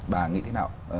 bà nghĩ thế nào